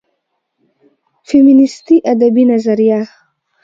فيمينستى ادبى نظريه